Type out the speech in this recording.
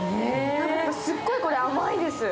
すっごい、これ甘いです。